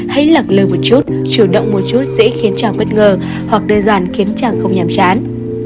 hãy lặng lơ một chút chủ động một chút sẽ khiến chàng bất ngờ hoặc đơn giản khiến chàng không nhằm chán